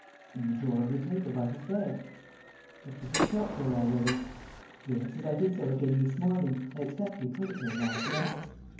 "In the drawer of the table by his bed." "But we had felt there already." "Yes; and I did so again this morning. I expect he put it there last night."